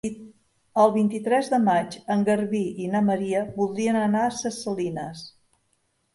El vint-i-tres de maig en Garbí i na Maria voldrien anar a Ses Salines.